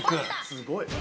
すごい。